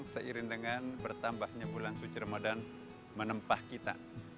seiring dengan bertambahnya bulan suci ramadan menempah kita